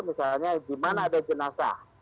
misalnya di mana ada jenazah